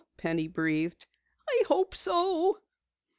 Penny breathed. "I hope so!"